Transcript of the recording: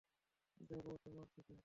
যাব তোমার সাথে।